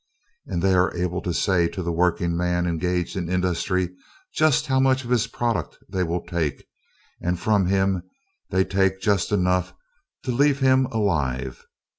And they are able to say to the working man engaged in industry just how much of his product they will take, and from him they take just enough to leave him alive.